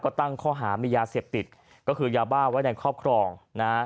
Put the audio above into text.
ก็ตั้งข้อหามียาเสพติดก็คือยาบ้าไว้ในครอบครองนะฮะ